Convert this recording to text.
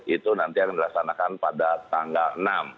itu nanti akan dilaksanakan pada tanggal enam